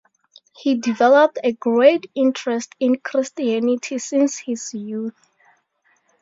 He developed a great interest in Christianity since his youth.